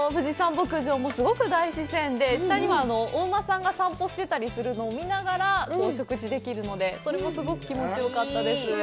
牧場もすごく大自然で下にはお馬さんが散歩してたりするのを見ながらお食事できるので、それもすごく気持ちよかったです。